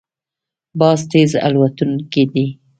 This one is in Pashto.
باز تېز الوتونکی دی